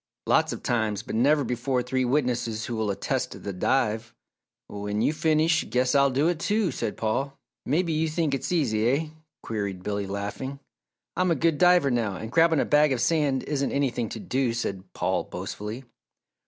"Lots of times, but never before three witnesses who will attest the dive." "When you finish, guess I'll do it, too!" said Paul. "Maybe you think it's easy, eh?" queried Billy, laughing. "I'm a good diver now, and grabbing a bag of sand isn't anything to do," said Paul, boastfully.